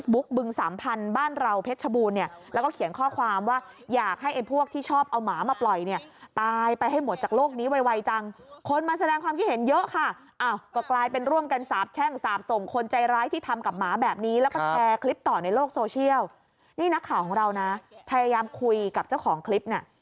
บึงสามพันธุ์บ้านเราเพชรชบูรณเนี่ยแล้วก็เขียนข้อความว่าอยากให้ไอ้พวกที่ชอบเอาหมามาปล่อยเนี่ยตายไปให้หมดจากโลกนี้ไวจังคนมาแสดงความคิดเห็นเยอะค่ะอ้าวก็กลายเป็นร่วมกันสาบแช่งสาบส่งคนใจร้ายที่ทำกับหมาแบบนี้แล้วก็แชร์คลิปต่อในโลกโซเชียลนี่นักข่าวของเรานะพยายามคุยกับเจ้าของคลิปน่ะ